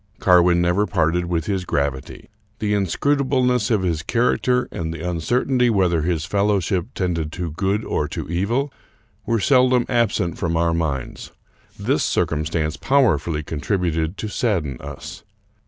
Carwin never parted with his gravity. The inscrutable ness of his character, and the uncertainty whether his fel lowship tended to good or to evil, were seldom absent from our minds. This circumstance powerfully contributed to sadden us.